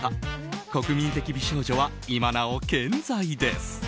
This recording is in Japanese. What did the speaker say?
国民的美少女は今なお健在です。